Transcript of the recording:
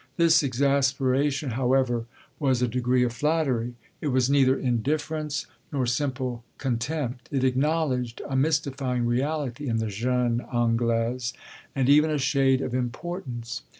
This exasperation, however, was a degree of flattery; it was neither indifference nor simple contempt; it acknowledged a mystifying reality in the jeune Anglaise and even a shade of importance.